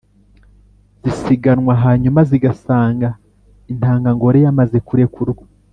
zisiganwa, hanyuma zigasanga intangangore yamaze kurekurwa